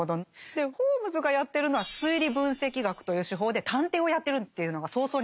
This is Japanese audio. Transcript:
でホームズがやってるのは「推理分析学」という手法で探偵をやってるっていうのが早々に明らかになりましたよね。